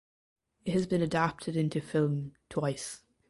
It has been adapted into film twice.